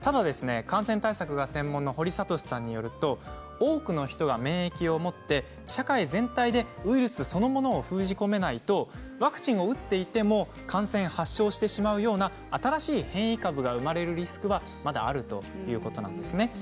ただ感染対策が専門の堀賢さんによると多くの人が免疫を持って社会全体でウイルスそのものを封じ込めないとワクチンを打っていても感染を発症してしまうような新しい変異株が生まれるリスクがまだあるということなんですね。